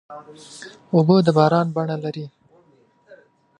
اوبه د باران بڼه لري.